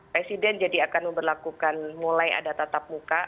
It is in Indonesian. presiden jadi akan memperlakukan mulai ada tatap muka